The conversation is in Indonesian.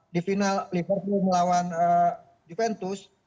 di final liverpool melawan juventus